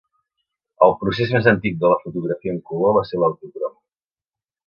El procés més antic de la fotografia en color va ser l'autocrom.